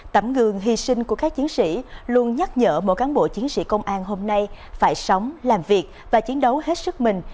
tấm gương hy sinh của các chiến sĩ luôn nhắc nhở mỗi cán bộ chiến sĩ công an hôm nay phải sống làm việc và chiến đấu hết sức mình